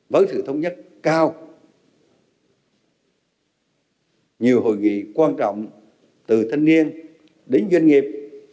với sự thống nhất cao nhiều hội nghị quan trọng từ thanh niên đến doanh nghiệp